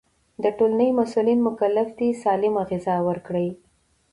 د ټولنې مسؤلين مکلف دي سالمه غذا ورکړي.